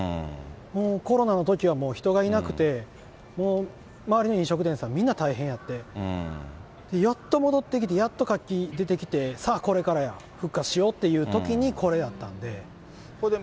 もう、コロナのときは人がいなくて、もう周りの飲食店さんみんな大変やって、やっと戻ってきて、やっと活気出てきて、さあこれからや、復活しようっていうときにこれやったので。